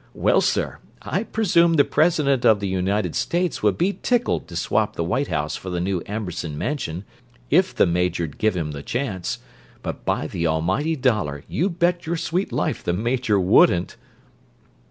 Well, sir, I presume the President of the United States would be tickled to swap the White House for the new Amberson Mansion, if the Major'd give him the chance—but by the Almighty Dollar, you bet your sweet life the Major wouldn't!"